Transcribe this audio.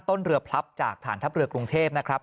ต้นเรือพลับจากฐานทัพเรือกรุงเทพนะครับ